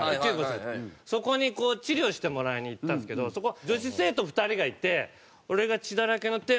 そこに治療してもらいに行ったんですけどそこ女子生徒２人がいて俺が血だらけの手